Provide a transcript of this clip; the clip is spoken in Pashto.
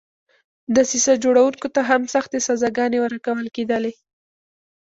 دسیسه جوړوونکو ته هم سختې سزاګانې ورکول کېدلې.